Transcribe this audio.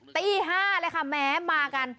ตี๕เลยค่ะแม้มากัน